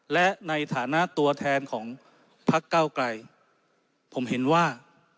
และในฐานะตัวแทนของพักเก้าไกลผมเห็นว่า